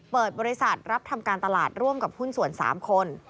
เปิดบริษัทรับทำการตลาดร่วมกับหุ้นส่วน๓คน